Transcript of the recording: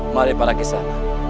mari para kesana